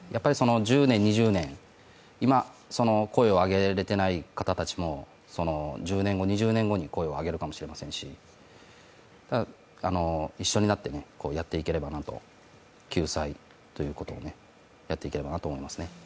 １０年、２０年、今、声を上げれていない方たちも１０年後、２０年後に声を上げるかもしれませんし、一緒になってやっていければなと、救済ということをやっていければなと思いますね。